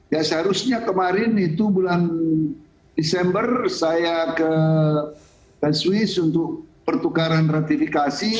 ya seharusnya kemarin itu bulan desember saya ke swiss untuk pertukaran ratifikasi